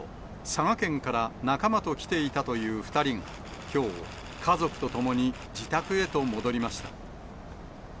佐賀県から仲間と来ていたという２人がきょう、家族と共に自宅へと戻りました。